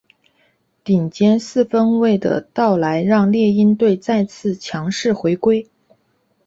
顶尖四分卫的到来让猎鹰队再次强势回归。